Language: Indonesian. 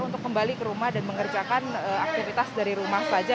untuk kembali ke rumah dan mengerjakan aktivitas dari rumah saja